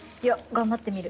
頑張ってみる。